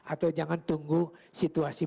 atau jangan tunggu situasi